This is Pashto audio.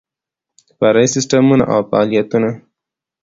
فرعي سیسټمونه او فعالیتونه